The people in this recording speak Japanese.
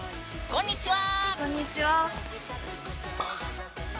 こんにちは。